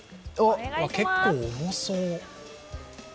結構重そう。